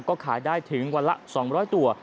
ก็ขายได้ถึงวันละ๒๐๐ตัว